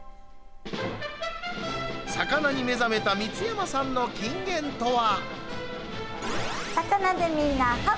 魚に目覚めた光山さんの金言とは。